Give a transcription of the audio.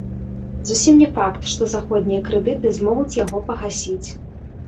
Зусім не факт, што заходнія крэдыты змогуць яго пагасіць.